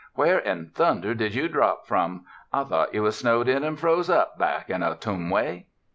Where in thunder did you drop from? I thought you was snowed in and froze up back in Ottumway!"